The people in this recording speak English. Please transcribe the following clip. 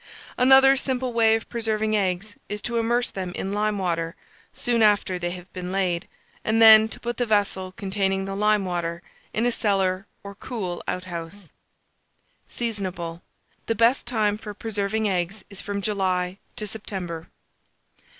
Another simple way of preserving eggs is to immerse them in lime water soon after they have been laid, and then to put the vessel containing the lime water in a cellar or cool outhouse. Seasonable. The best time for preserving eggs is from July to September.